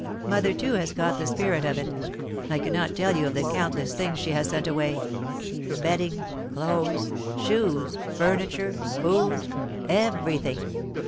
"Mother, too, has caught the spirit of it. I cannot tell you of the countless things she has sent away bedding, clothes, shoes, furniture, food everything.